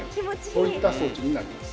そういった装置になります。